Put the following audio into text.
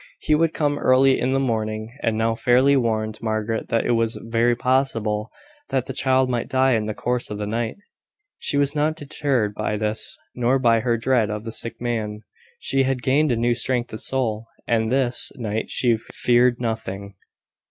He would come early in the morning, and now fairly warned Margaret that it was very possible that the child might die in the course of the night. She was not deterred by this, nor by her dread of the sick man. She had gained a new strength of soul, and this night she feared nothing.